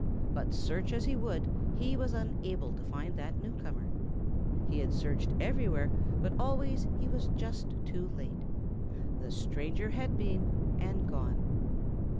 But search as he would, he was unable to find that newcomer. He had searched everywhere but always he was just too late. The stranger had been and gone.